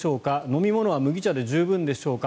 飲み物は麦茶で十分でしょうか。